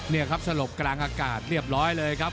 นี่ครับสลบกลางอากาศเรียบร้อยเลยครับ